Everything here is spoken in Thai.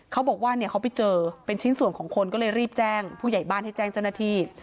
เขาบอกว่าเนี่ยเขาไปเจอเป็นชิ้นส่วนของคนก็เลยรีบแจ้งผู้ใหญ่บ้านให้แจ้งเจ้าหน้าที่